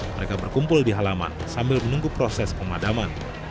mereka berkumpul di halaman sambil menunggu proses pemadaman